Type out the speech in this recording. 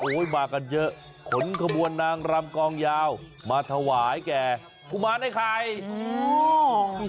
มากันเยอะขนขบวนนางรำกองยาวมาถวายแก่กุมารไอ้ไข่อืม